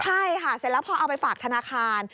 ใช่ค่ะเสร็จแล้วพอเอาไปฝากธนาคาร